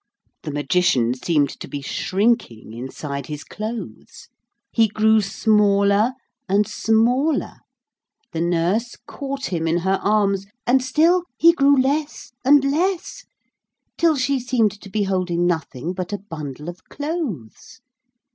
The Magician seemed to be shrinking inside his clothes. He grew smaller and smaller. The nurse caught him in her arms, and still he grew less and less, till she seemed to be holding nothing but a bundle of clothes.